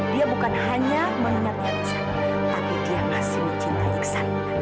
dia bukan hanya mengenal tia nusa tapi dia masih mencintai iksan